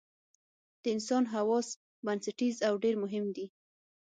د انسان حواس بنسټیز او ډېر مهم دي.